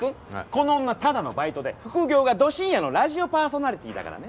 この女ただのバイトで副業がど深夜のラジオパーソナリティーだからね。